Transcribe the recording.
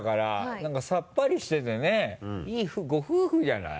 なんかさっぱりしててねいいご夫婦じゃない。